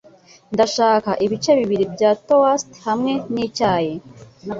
Ndashaka ibice bibiri bya toast hamwe nicyayi.